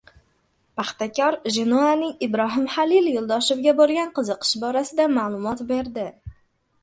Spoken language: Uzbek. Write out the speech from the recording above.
"Paxtakor" "Jenoa"ning Ibrohimxalil Yo‘ldoshevga bo‘lgan qiziqish borasida ma’lumot berdi